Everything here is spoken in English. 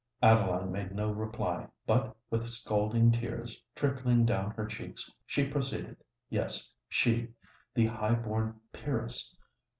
Adeline made no reply; but, with scalding tears trickling down her cheeks, she proceeded—yes, she—the high born peeress!